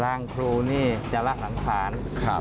รังครูจะรักหลังภาล